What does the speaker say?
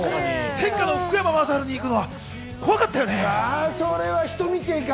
天下の福山雅治に行くのは怖かったよね。